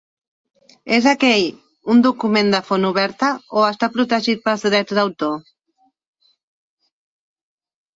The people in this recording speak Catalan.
És aquell un document de font oberta o està protegit pels drets d'autor?